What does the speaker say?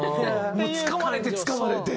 つかまれてつかまれて。